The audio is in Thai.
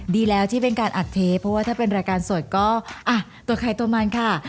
ดีแล้วที่เป็นการอัดเทปเพราะว่าถ้าเป็นรายการสดก็อ่ะตัวใครตัวมันค่ะ